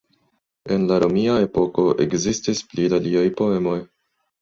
En la romia epoko ekzistis pli da liaj poemoj.